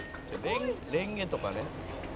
「レンゲとかね」